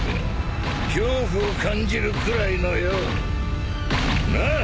恐怖を感じるくらいのよ。なあ！